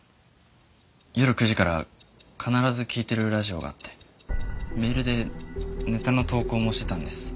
夜９時から必ず聴いてるラジオがあってメールでネタの投稿もしてたんです。